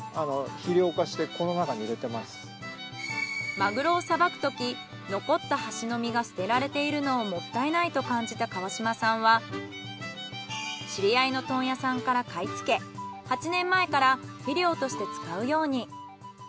マグロをさばくとき残った端の身が捨てられているのをもったいないと感じた川島さんは知り合いの問屋さんから買い付け８年前から肥料として使うように。